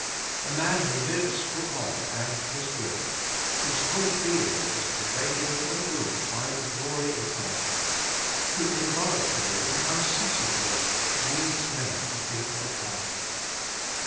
A man who lives for God and His will; whose whole being is pervaded and ruled by the glory of God; who involuntarily and unceasingly leads men to think of God.